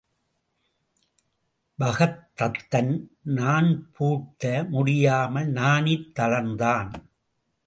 பகதத்தன் நாண் பூட்ட முடியாமல் நாணித் தளர்ந்தான்.